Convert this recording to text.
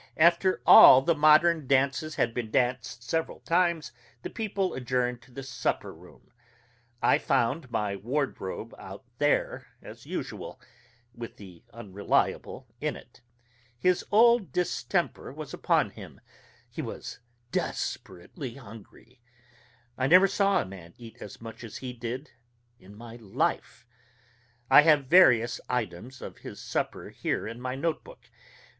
After all the modern dances had been danced several times, the people adjourned to the supper room. I found my wardrobe out there, as usual, with the Unreliable in it. His old distemper was upon him: he was desperately hungry. I never saw a man eat as much as he did in my life. I have various items of his supper here in my note book.